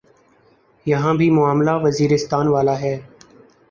یہاں بھی معاملہ وزیرستان والا ہے۔